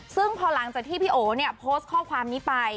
ซึ่งพอหลังจากที่พี่โอเนี่ยโพสต์ข้อความนี้ไป